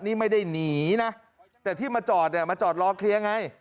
นี่ไม่ได้หนีนะแต่ที่มาจอดเนี่ยมาจอดรอเคลียร์ไง